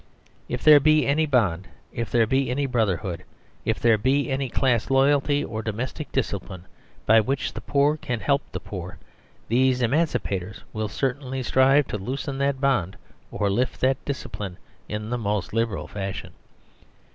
If there be any bond, if there be any brotherhood, if there be any class loyalty or domestic discipline, by which the poor can help the poor, these emancipators will cer tainly strive to loosen that bond or lift that discipline in the most liberal fashion.